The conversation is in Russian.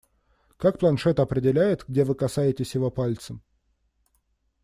Как планшет определяет, где вы касаетесь его пальцем?